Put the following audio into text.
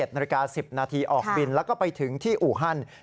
๑นาฬิกา๑๐นาทีออกบินแล้วก็ไปถึงที่อู่ฮัน